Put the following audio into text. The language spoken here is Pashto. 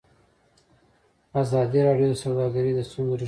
ازادي راډیو د سوداګري د ستونزو رېښه بیان کړې.